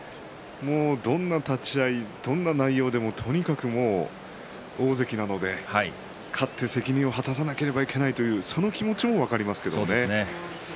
どんな立ち合い、どんな内容でもとにかくもう、大関なので勝って責任を果たさなければいけないというその気持ちも分かりますけどね。